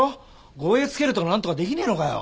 護衛を付けるとかなんとかできねえのかよ？